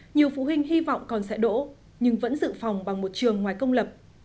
nhiều phụ huynh hy vọng còn sẽ đỗ nhưng vẫn dự phòng bằng một trường ngoài công lập